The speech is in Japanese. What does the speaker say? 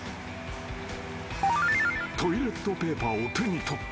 ［トイレットペーパーを手に取った］